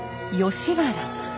吉原。